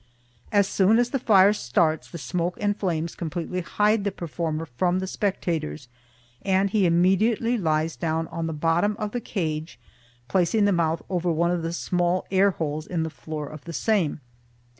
As soon as the fire starts the smoke and flames completely hide the performer from the spectators, and he immediately lies down on the bottom of the cage, placing the mouth over one of the small air holes in the floor of the same.